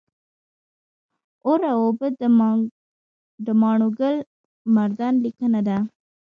اور او اوبه د ماڼوګل مردان لیکنه ده